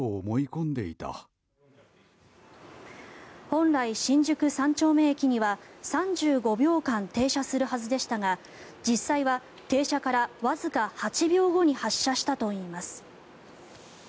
本来、新宿三丁目駅には３５秒間停車するはずでしたが実際は停車からわずか８秒後に発車したといいます。